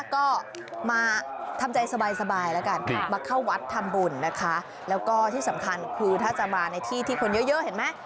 ก็มาทำใจสบายนะการมาเข้าไปทำบุญและก็ที่สำคัญคือถ้าจะมาในที่คนเยอะเห็นไหม